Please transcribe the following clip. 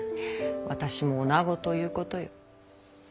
私も女ということよ。